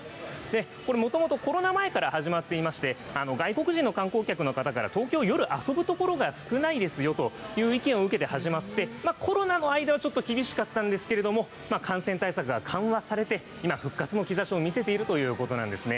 これ、もともとコロナ前から始まっていまして、外国人の観光客の方から東京、夜、遊ぶ所が少ないですよという意見を受けて始まって、コロナの間はちょっと厳しかったんですけれども、感染対策が緩和されて、今、復活の兆しを見せているということなんですね。